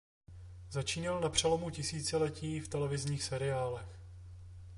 Začínal na přelomu tisíciletí v televizních seriálech.